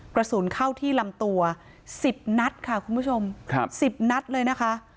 กระสุนเข้าที่ลำตัว๑๐นัดค่ะคุณผู้ชมครับ๑๐นัดเลยนะคะ